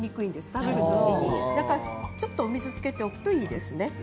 食べる時にだからちょっとお水をつけておくといいですね。